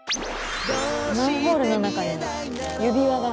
マンホールの中に指輪が。